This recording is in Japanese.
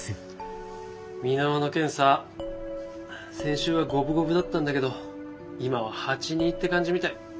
美ノ和の件さ先週は五分五分だったんだけど今は８：２って感じみたい。